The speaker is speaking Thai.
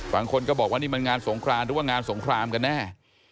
บางคนก็บอกว่านี่มันงานสงครานหรือว่างานสงครามกันแน่